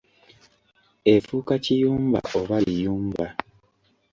Efuuka kiyumba oba liyumba.